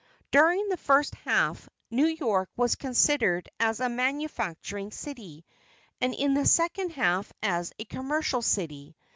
During the first half New York was considered as a manufacturing city, and in the second half as a commercial city.